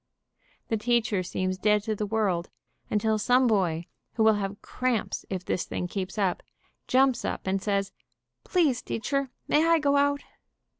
The teacher seems dead to the world, until ISO ABOLISHING THE SCHOOL RECFSS some boy, who will have cramps if this thing keeps up, jumps up and says, "Please, teacher, may I go out?"